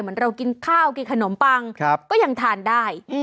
เหมือนเรากินข้าวกินขนมปังก็ยังทานได้